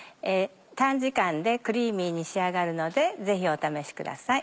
短時間でクリーミーに仕上がるのでぜひお試しください。